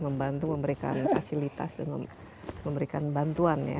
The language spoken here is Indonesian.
membantu memberikan fasilitas dan memberikan bantuan ya